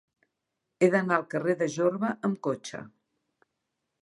He d'anar al carrer de Jorba amb cotxe.